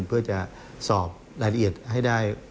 เพื่อจะสอบรายละเอียดให้ได้